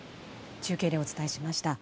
中継でお伝えしました。